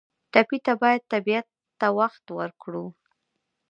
ټپي ته باید طبیعت ته وخت ورکړو.